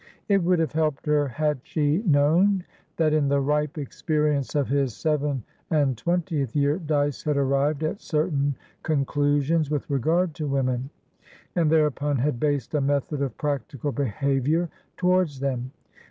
It would have helped her had she known that, in the ripe experience of his seven and twentieth year, Dyce had arrived at certain conclusions with regard to women, and thereupon had based a method of practical behaviour towards them.